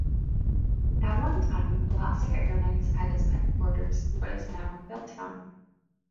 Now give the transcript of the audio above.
At one time Alaska Airlines had its headquarters in what is now Belltown.